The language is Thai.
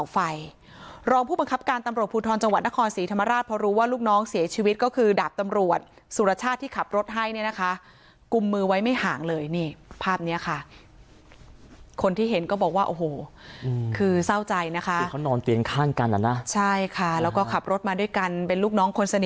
ไฟรองผู้บังคับการตำรวจภูทรจังหวัดนครศรีธรรมราชพอรู้ว่าลูกน้องเสียชีวิตก็คือดาบตำรวจสุรชาติที่ขับรถให้เนี่ยนะคะกุมมือไว้ไม่ห่างเลยนี่ภาพเนี้ยค่ะคนที่เห็นก็บอกว่าโอ้โหคือเศร้าใจนะคะคือเขานอนเตียงข้างกันอ่ะนะใช่ค่ะแล้วก็ขับรถมาด้วยกันเป็นลูกน้องคนสนิท